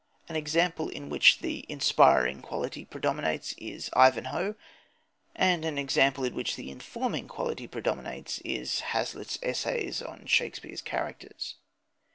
An example in which the inspiring quality predominates is Ivanhoe; and an example in which the informing quality predominates is Hazlitt's essays on Shakespeare's characters.